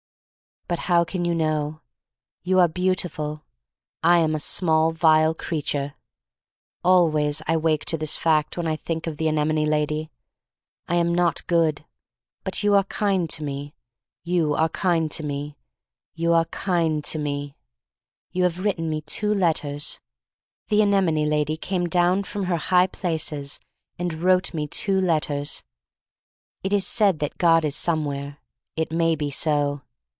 "But how can you know? "You are beautiful. I am a small, vile creature. 'Always I awake to this fac^ when I think of the anemone lady. I am not good. But you are kind to me — you are kind to me — ^you are kind to me. "You have written me two letters. "The anemone lady came down from her high places and wrote me two let ters. "It is said that God is somewhere. It may be so.